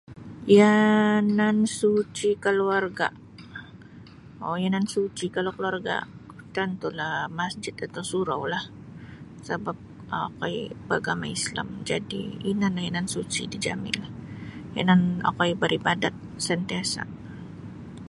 Yaanan suci' kaluarga' um yanan suci' kalau kaluarga' tantu'lah masjid atau suraulah sabap okoi baragama' Islam jadi' ino nio yanan suci' dijami' yanan okoi baribadat santiasa'.